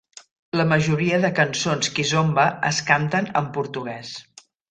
La majoria de cançons kizomba es canten en Portuguès.